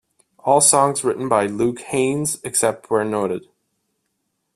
All songs written by Luke Haines, except where noted.